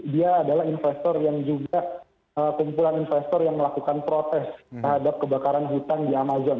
dia adalah investor yang juga kumpulan investor yang melakukan protes terhadap kebakaran hutan di amazon